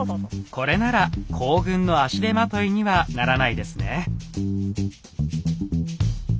これなら行軍の足手まといにはならないですね。